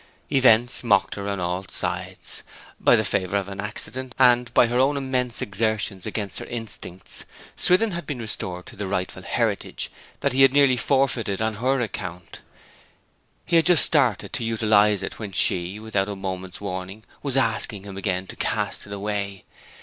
Events mocked her on all sides. By the favour of an accident, and by her own immense exertions against her instincts, Swithin had been restored to the rightful heritage that he had nearly forfeited on her account. He had just started off to utilize it; when she, without a moment's warning, was asking him again to cast it away.